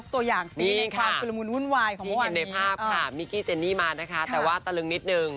ที่เห็นในภาพค่ะมิกกี้เจนนี่มานะคะแต่ว่าตะลึงนิดนึง